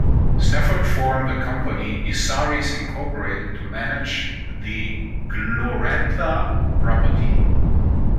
Stafford formed a company, Issaries, Incorporated to manage the Glorantha property.